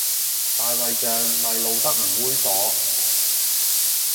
大衛像咪露得唔猥褻